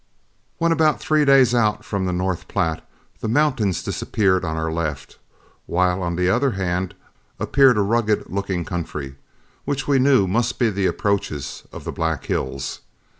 When about three days out from the North Platte, the mountains disappeared on our left, while on the other hand appeared a rugged looking country, which we knew must be the approaches of the Black Hills.